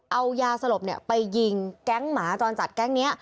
เอายาสลบไปยิงแก๊งหมาจรจัดแก๊งนี้